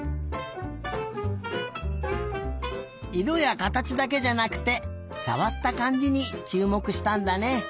いろやかたちだけじゃなくてさわったかんじにちゅうもくしたんだね。